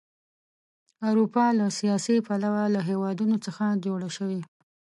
اروپا له سیاسي پلوه له هېوادونو څخه جوړه شوې.